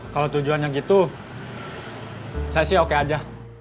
kalau tujuannya gitu saya sih oke aja